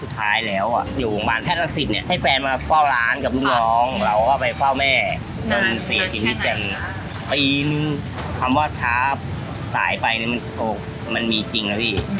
คำว่าช้าสายไปมันมีจริงแล้วอีก